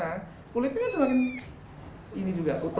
saat nanti dia udah dewasa kulitnya kan semakin ini juga putuh